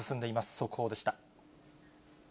速報でした。